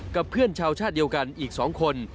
กับเพื่อนชาวชาติเดียวกันอีก๒คน